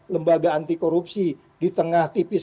lembaga anti korupsi di tengah tipis